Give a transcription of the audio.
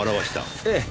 ええ。